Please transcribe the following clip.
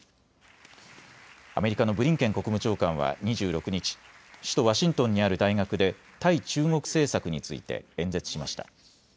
アメリカのブリンケン国務長官は２６日、首都ワシントンにある大学で対中国政策について演説しました。